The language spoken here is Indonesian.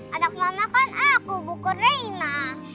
anak mama kan aku bukur rena